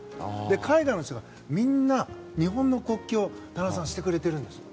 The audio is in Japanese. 海外の人がみんな、日本の国旗を田中さんしてくれてるんですよ。